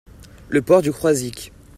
le port du Croizic.